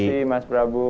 terima kasih mas prabu